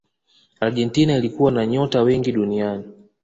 argentina ilikuwa na nyota wengi duniani